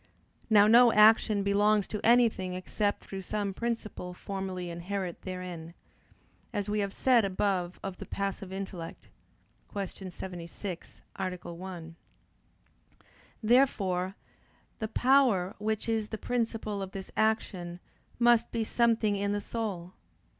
Now no action belongs to anything except through some principle formally inherent therein; as we have said above of the passive intellect (Q. 76, A. 1). Therefore the power which is the principle of this action must be something in the soul.